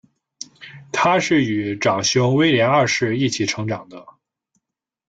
她是与长兄威廉二世一起成长的。